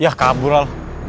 yah kabur al